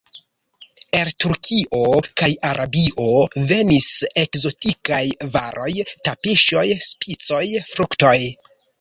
El Turkio kaj Arabio venis ekzotikaj varoj: tapiŝoj, spicoj, fruktoj.